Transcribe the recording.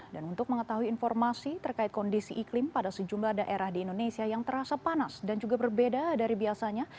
dan untuk mengetahui informasi terkait kondisi iklim pada sejumlah daerah di indonesia yang terasa panas dan juga berbeda dari biasanya